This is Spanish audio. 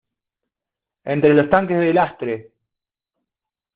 entre los tanques de lastre.